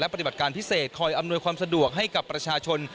ปฏิบัติการพิเศษคอยอำนวยความสะดวกให้กับประชาชน